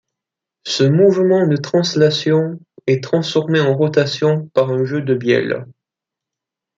Ce mouvement de translation est transformé en rotation par un jeu de bielles.